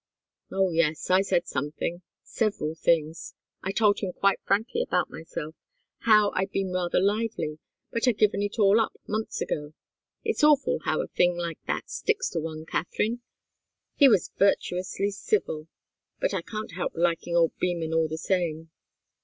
"Oh, yes I said something several things. I told him quite frankly about myself how I'd been rather lively, but had given it all up months ago. It's awful, how a thing like that sticks to one, Katharine! He was virtuously civil but I can't help liking old Beman, all the same.